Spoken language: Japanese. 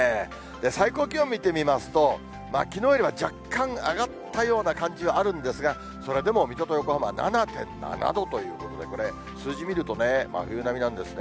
最高気温見てみますと、きのうよりは若干上がったような感じはあるんですが、それでも水戸と横浜は７．７度ということで、これ、数字見るとね、真冬並みなんですね。